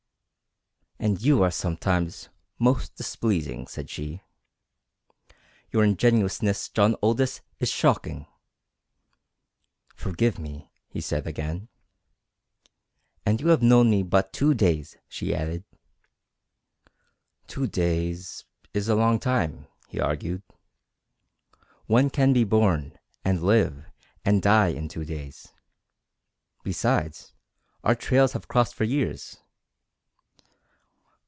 "And you are sometimes most displeasing," said she. "Your ingenuousness, John Aldous, is shocking!" "Forgive me," he said again. "And you have known me but two days," she added. "Two days is a long time," he argued. "One can be born, and live, and die in two days. Besides, our trails have crossed for years."